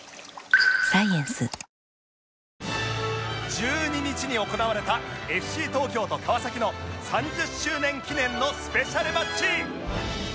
１２日に行われた ＦＣ 東京と川崎の３０周年記念のスペシャルマッチ